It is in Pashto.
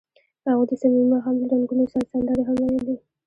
هغوی د صمیمي ماښام له رنګونو سره سندرې هم ویلې.